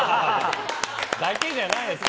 だけじゃないですよ。